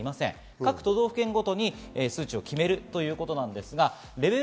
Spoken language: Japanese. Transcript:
各都道府県ごとに数値を決めるということです。